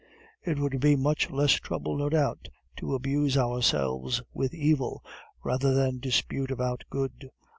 "It would be much less trouble, no doubt, to amuse ourselves with evil, rather than dispute about good.